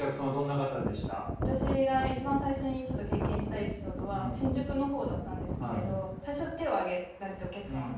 私が一番最初にちょっと経験したエピソードは新宿の方だったんですけれど最初手を上げられてお客様が。